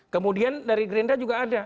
kemudian dari gerindra juga ada